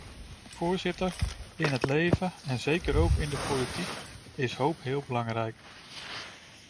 Voorzitter, in het leven, en zeker ook in de politiek, is hoop heel belangrijk.